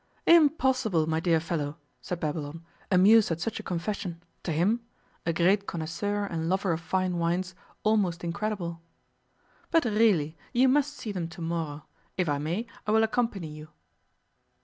'Impossible, my dear fellow!' said Babylon, amused at such a confession, to him a great connoisseur and lover of fine wines almost incredible. 'But really you must see them to morrow. If I may, I will accompany you.